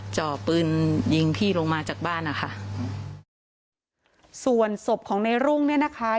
จ่อปืนยิงพี่ลงมาจากบ้านนะคะส่วนศพของในรุ่งเนี่ยนะคะ